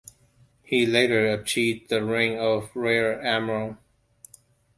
He later achieved the rank of rear-admiral.